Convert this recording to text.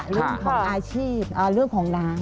เรื่องของอาชีพเรื่องของน้ำ